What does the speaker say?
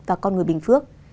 và con người bình phước